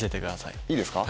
いいですか？